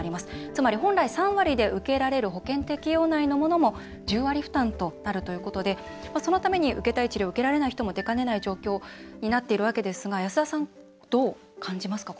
つまり本来３割で受けられる保険適用内のものも１０割負担となるということでそのために、受けたい治療を受けられない人も出かねない状況になっているわけですが安田さん、どう感じますか？